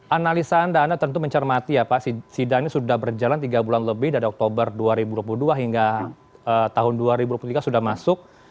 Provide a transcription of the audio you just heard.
analisa anda anda tentu mencermati ya pak sidang ini sudah berjalan tiga bulan lebih dari oktober dua ribu dua puluh dua hingga tahun dua ribu dua puluh tiga sudah masuk